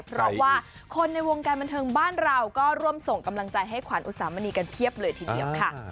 เพราะว่าคนในวงการบันเทิงบ้านเราก็ร่วมส่งกำลังใจให้ขวัญอุสามณีกันเพียบเลยทีเดียวค่ะ